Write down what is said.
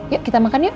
yuk kita makan yuk